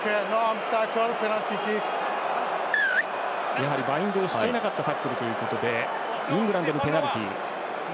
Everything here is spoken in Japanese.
やはり、バインドしていなかったタックルということでイングランドにペナルティ。